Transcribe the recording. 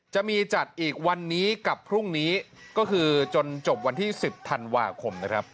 จะมีจัดอีกวันนี้กับพรุ่งนี้ก็คือจนจบวันที่๑๐ธันวาคมนะครับ